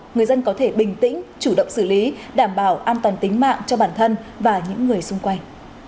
người dân có thể bình tĩnh chủ động xử lý đảm bảo an toàn tính mạng cho bản thân và những người xung quanh